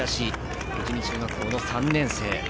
富士見中学校の３年生。